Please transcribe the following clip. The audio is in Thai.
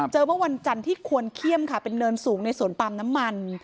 เมื่อวันจันทร์ที่ควรเขี้ยมค่ะเป็นเนินสูงในสวนปาล์มน้ำมัน